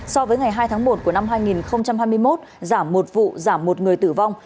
so với ngày hai tháng một của năm hai nghìn hai mươi một giảm một vụ giảm một người tử vong